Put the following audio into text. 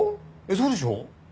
そうでしょう？